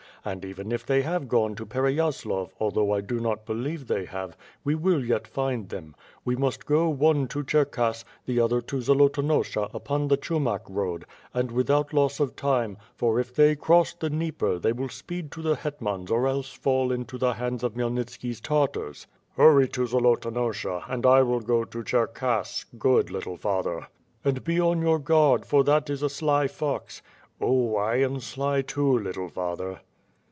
.. And even if they have gone to Pereyaslav, although I do not believe they have, we will yet find them. We must go one to Cherkass, the other to Zolotonosha upon the Tschumak road r and without loss of time, for if they cross the Dnieper, they will speed to the hetmans or else fall into the hands of Khmy elnitski's Tartars." "Hurry to Zolotonosha, and I will go to Cherkass, good, little father," 2^2 WITH FIRE AND SWORD. "And be on your guard, for that is a sly fox." "Oh, I am sly too, little father."